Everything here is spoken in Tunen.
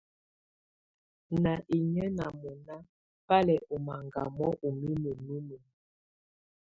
Ná inyǝ́ ná mɔ́ná bá lɛ́ ɔ́ maŋgámɔ ú mimǝ́ numǝ́.